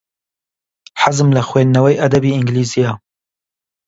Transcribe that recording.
حەزم لە خوێندنەوەی ئەدەبی ئینگلیزییە.